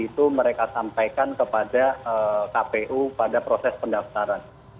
itu mereka sampaikan kepada kpu pada proses pendaftaran